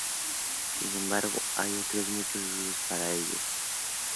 Sin embargo hay otros muchos usos para ellos.